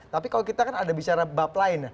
tapi kalau kita kan ada bicara bab lain